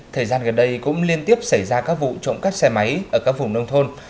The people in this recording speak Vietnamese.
thời gian gần đây cũng liên tiếp xảy ra các vụ trộm cắp xe máy ở các vùng nông thôn